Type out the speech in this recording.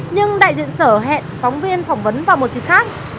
nhưng đại diện sở hẹn phóng viên phỏng vấn vào một gì khác